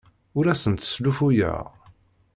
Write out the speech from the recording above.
Ur asent-sslufuyeɣ.